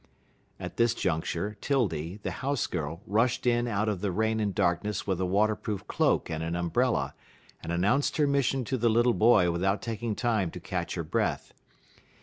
At this juncture 'Tildy, the house girl, rushed in out of the rain and darkness with a water proof cloak and an umbrella, and announced her mission to the little boy without taking time to catch her breath.